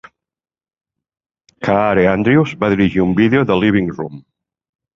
Kaare Andrews va dirigir un vídeo de "Living Room".